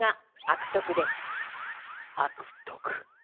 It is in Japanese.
「悪徳」。